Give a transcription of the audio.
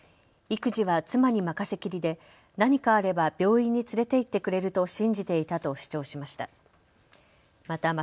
育児は妻に任せきりで何かあれば病院に連れて行ってくれると信じていたと主張しました。